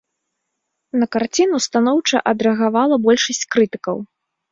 На карціну станоўча адрэагавала большасць крытыкаў.